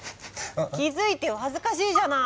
気付いてよ恥ずかしいじゃない！